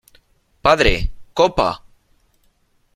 ¡ padre , copa !